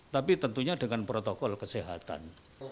tapi tentunya dengan protokol kesehatan